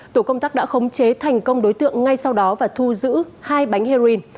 tổ công tác đã khống chế thành công đối tượng ngay sau đó và thu giữ hai bánh heroin